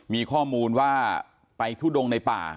มีข้อมูลว่าไปทุดงในป่า